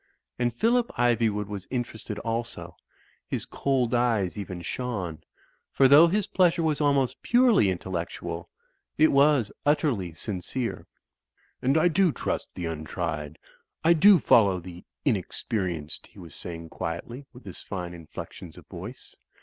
And Phillip Iv3nvood was interested also; his cold eyes even shone; for though his pleasure was almost purely intellectual, it was utterly sincere. "And I do trust the untried; I do follow the inex perienced," he was sa)ring quietly, with his fine inflec tions of voice.